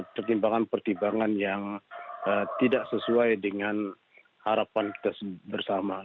pertimbangan pertimbangan yang tidak sesuai dengan harapan kita bersama